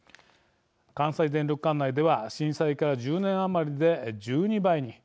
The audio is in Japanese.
関西電力管内では震災から１０年余りで１２倍に。